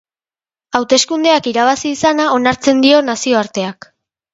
Hauteskundeak irabazi izana onartzen dio nazioarteak.